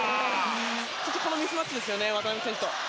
このミスマッチですよね渡邊選手と。